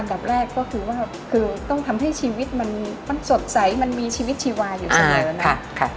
ดับแรกก็คือว่าคือต้องทำให้ชีวิตมันสดใสมันมีชีวิตชีวาอยู่เสมอนะครับ